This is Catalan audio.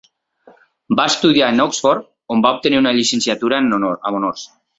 Va estudiar en Oxford, on va obtenir una llicenciatura amb honors.